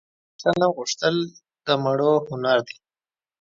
بخښنه غوښتل دمړو هنردي